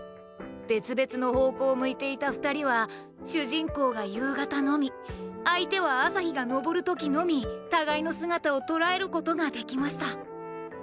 別々の方向を向いていた二人は主人公が夕方のみ相手は朝日が昇る時のみ互いの姿を捉えることができました。